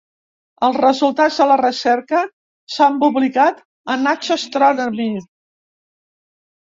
Els resultats de la recerca s’han publicat a ‘Nature Astronomy’.